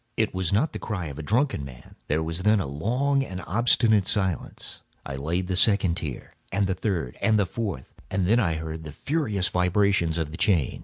It was not the cry of a drunken man. There was then a long and obstinate silence. I laid the second tier, and the third, and the fourth; and then I heard the furious vibrations of the chain.